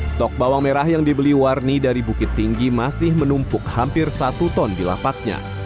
stok bawang merah yang dibeli warni dari bukit tinggi masih menumpuk hampir satu ton di lapaknya